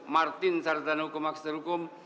martin sarjana hukum magisterikum